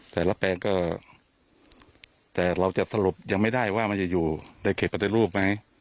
แต่ละแปลงก็แต่เราจะสรุปยังไม่ได้ว่ามันจะอยู่ในเขตปฏิรูปไหม